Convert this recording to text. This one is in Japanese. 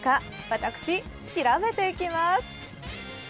私、調べていきます！